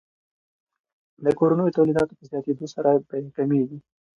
د کورنیو تولیداتو په زیاتیدو سره بیې کمیږي.